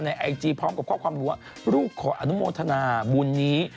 ไอจีพร้อมกับข้อความบอกว่าลูกขออนุโมทนาบุญนี้